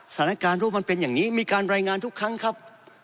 สถานการณ์โรคมันเป็นอย่างนี้มีการรายงานทุกครั้งครับ